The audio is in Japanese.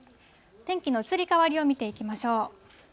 天気の移り変わりを見ていきましょう。